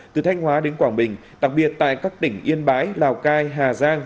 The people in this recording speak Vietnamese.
từ thanh hóa đến quảng bình đặc biệt tại các tỉnh yên bái lào cai hà giang